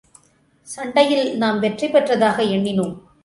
சண்டையில் நாம் வெற்றி பெற்றதாக எண்ணினோம்.